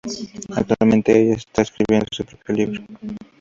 Actualmente, ella está escribiendo su propio libro.